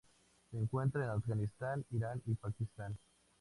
Se encuentran en Afganistán, Irán, y Pakistán.